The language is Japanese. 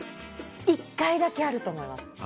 １回だけあると思います。